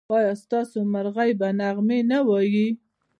ایا ستاسو مرغۍ به نغمې نه وايي؟